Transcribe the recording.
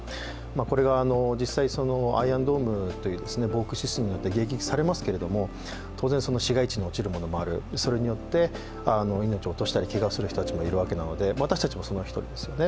これが実際、アイアンドームという防空システムによって迎撃されますけれども、当然市街地に落ちるものもある、それによって、命を落としたりけがをする人たちもいるわけなので私たちもその一人ですよね。